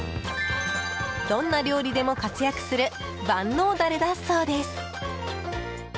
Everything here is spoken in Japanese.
どんな料理でも活躍する万能ダレだそうです。